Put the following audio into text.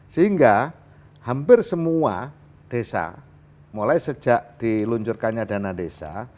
sehingga hampir semua desa mulai sejak diluncurkannya dana desa